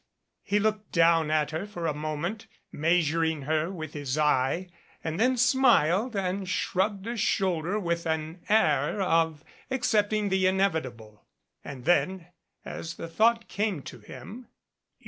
He looked down at her for a moment, measuring her with his eye, and then smiled and shrugged a shoulder with an air of accepting the inevitable. And then as the thought came to him.